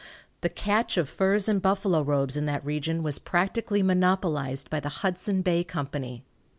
The catch of furs and buffalo robes in that region was practically monopolized by the Hudson Bay Company.